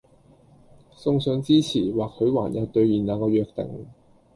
送上支持，或許還有兌現那個約定！